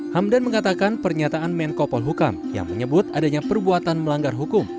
hamdan mengatakan pernyataan menko polhukam yang menyebut adanya perbuatan melanggar hukum